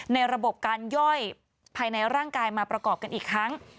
ในระบบการย่อยภายในร่างกายมาประกอบกันอีกครั้ง